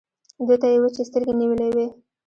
دوی ته يې وچې سترګې نيولې وې.